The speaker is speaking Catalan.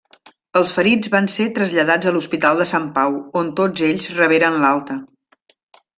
Els ferits van ser traslladats a l'Hospital de Sant Pau, on tots ells reberen l'alta.